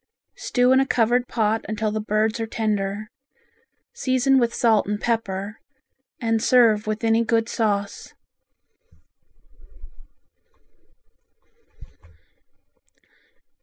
Stew in a covered pot until the birds are tender. Season with salt and pepper, and serve with any good sauce.